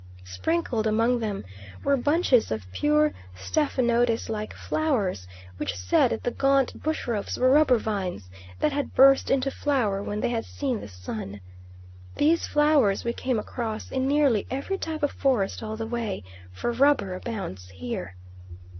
Sprinkled among them were bunches of pure stephanotis like flowers, which said that the gaunt bush ropes were rubber vines that had burst into flower when they had seen the sun. These flowers we came across in nearly every type of forest all the way, for rubber abounds here.